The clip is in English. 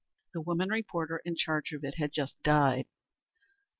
The woman reporter in charge of it had just died.